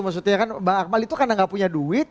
maksudnya kan bang akmal itu karena gak punya duit